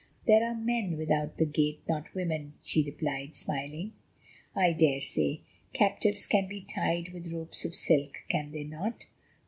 "There are men without the gate, not women," she replied, smiling. "I daresay; captives can be tied with ropes of silk, can they not?